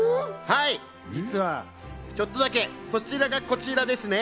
実はちょっとだけ、そちらがこちらですね。